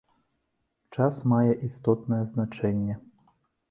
Час мае істотнае значэнне.